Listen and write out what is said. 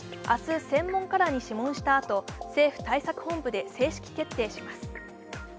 明日、専門家らに諮問したあと、政府対策本部で正式決定します。